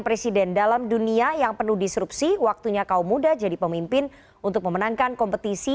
presiden dalam dunia yang penuh disrupsi waktunya kaum muda jadi pemimpin untuk memenangkan kompetisi